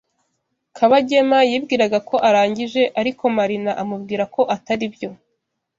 Kabagema yibwiraga ko arangije, ariko Marina amubwira ko atari byo.